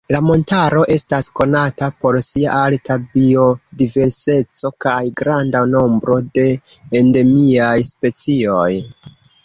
La montaro estas konata por sia alta biodiverseco kaj granda nombro de endemiaj specioj.